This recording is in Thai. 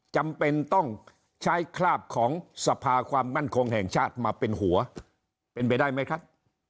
จำเป็นต้องใช้คราบของสภาความมั่นคงแห่งชาติมาเป็นหัวเป็นไปได้ไหมครับ